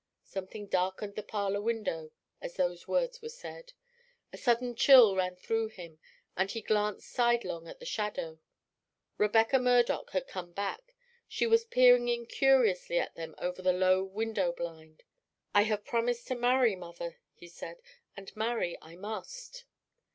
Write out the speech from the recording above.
Something darkened the parlor window as those words were said. A sudden chill ran through him, and he glanced sidelong at the shadow. Rebecca Murdoch had come back. She was peering in curiously at them over the low window blind. "I have promised to marry, mother," he said, "and marry I must."